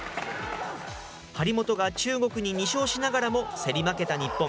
張本が中国に２勝しながらも競り負けた日本。